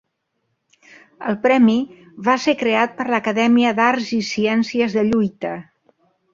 El premi va ser creat per l'Acadèmia d'Arts i Ciències de Lluita.